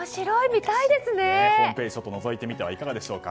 ホームページのぞいてみてはいかがでしょうか。